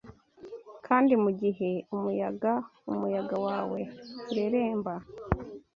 Kandi, mugihe umuyaga umuyaga wawe ureremba